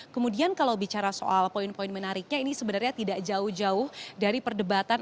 kemudian kalau bicara soal poin poin menariknya ini sebenarnya tidak jauh jauh dari perdebatan